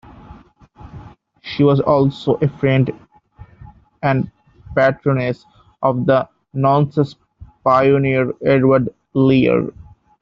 She was also a friend and patroness of the nonsense pioneer, Edward Lear.